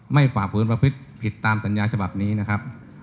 ฝ่าฝืนประพฤติผิดตามสัญญาฉบับนี้นะครับ